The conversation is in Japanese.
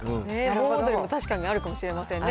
盆踊りも確かにあるかもしれませんね。